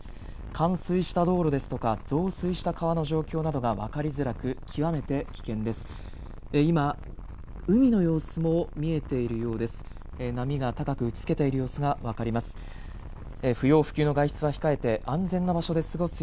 冠水した道路ですとか増水した川の状況などが分かりづらく極めて危険です。